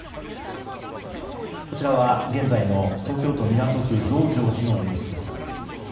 こちらは現在の東京・港区、増上寺の様子です。